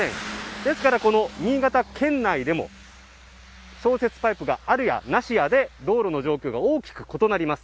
ですから、新潟県内でも消雪パイプがあるや、なしやで道路の状況が大きく異なります。